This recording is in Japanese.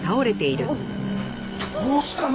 どうしたの？